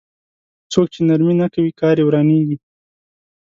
څوک چې نرمي نه کوي کار يې ورانېږي.